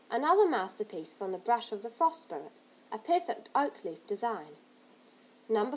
Another masterpiece from the brush of the Frost Spirit, a perfect oak leaf design. No.